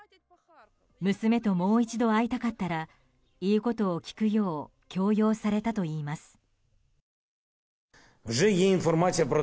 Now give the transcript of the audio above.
娘ともう一度会いたかったら言うことを聞くよう強要されたといいます。